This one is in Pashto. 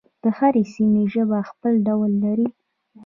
د هرې سیمې ژبه خپل ډول لري.